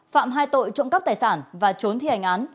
phạm hai tội trộm cắp tài sản và trốn thi hành án